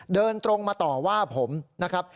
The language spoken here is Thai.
เดินตรงมาต่อว่าผมนะครับ